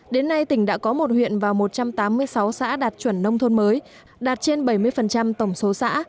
đến nay tỉnh đã có một huyện và một trăm tám mươi sáu xã đạt chuẩn nông thôn mới đạt trên bảy mươi tổng số xã